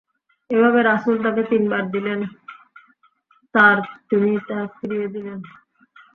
এভাবে রাসুল তাকে তিনবার দিলেন তার তিনি তা ফিরিয়ে দিলেন।